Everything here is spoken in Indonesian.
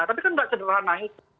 tapi kan tidak sederhana itu